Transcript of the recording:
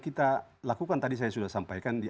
kita lakukan tadi saya sudah sampaikan di